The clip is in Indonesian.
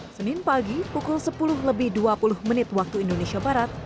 senin pagi pukul sepuluh lebih dua puluh menit waktu indonesia barat